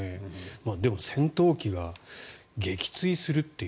でも戦闘機が撃墜するっていう。